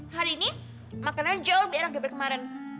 hari ini makanan jauh lebih erat daripada kemarin